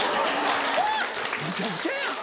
むちゃくちゃや。